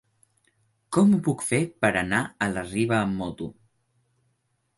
Com ho puc fer per anar a la Riba amb moto?